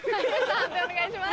判定お願いします。